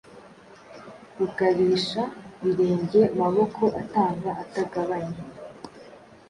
Rugabisha-birenge maboko atanga atagabanya,